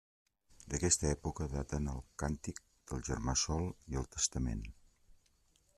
D'aquesta època daten el Càntic del germà Sol i el Testament.